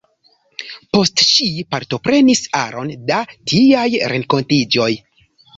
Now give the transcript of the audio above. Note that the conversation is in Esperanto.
Poste ŝi partoprenis aron da tiaj renkontiĝoj.